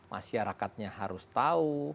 masyarakatnya harus tahu